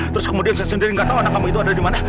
terus kemudian saya sendiri gak tahu anak kamu itu ada dimana